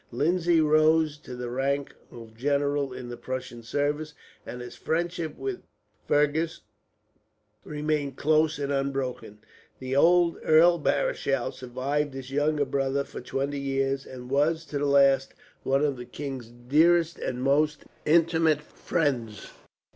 Lindsay rose to the rank of general in the Prussian service, and his friendship with Fergus remained close and unbroken. The old Earl Marischal survived his younger brother for twenty years; and was, to the last, one of the king's dearest and most intimate friends.